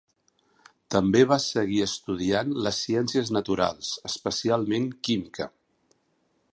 També va seguir estudiant les ciències naturals, especialment química.